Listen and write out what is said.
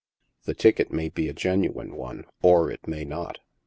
The ticket may be a genuine one, or it may not.